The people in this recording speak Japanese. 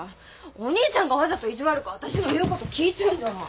お兄ちゃんがわざと意地悪くわたしの言う事聞いてんじゃない。